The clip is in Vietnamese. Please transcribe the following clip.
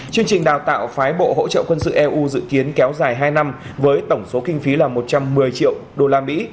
chương trình đào tạo phái bộ hỗ trợ quân sự eu dự kiến kéo dài hai năm với tổng số kinh phí là một trăm một mươi triệu usd